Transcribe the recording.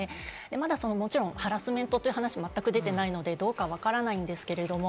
まだもちろんハラスメントという話はまったく出ていないのでどうかわからないですけれども。